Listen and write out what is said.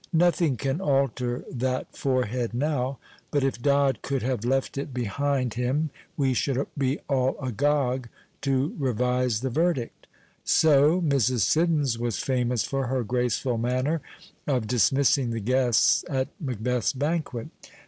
Nothing can alter that torchcad now ; but if Dodd could have left it behind 16G II. B. IRVING him, we should be all agog to revise the verdict. So Mrs. Siddons was famous for her oraceful manner of dismissing the guests at Maebcth's banquet.